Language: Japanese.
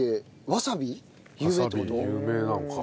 わさび有名なのか。